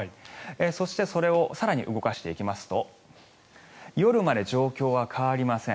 そして、それを更に動かしていきますと夜まで状況は変わりません。